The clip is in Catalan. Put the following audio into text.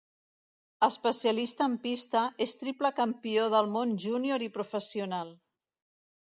Especialista en pista, és triple campió del món junior i professional.